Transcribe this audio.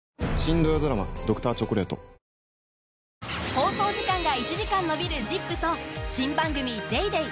放送時間が１時間伸びる『ＺＩＰ！』と新番組『ＤａｙＤａｙ．』